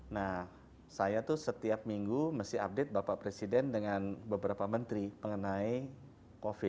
nah saya tuh setiap minggu mesti update bapak presiden dengan beberapa menteri mengenai covid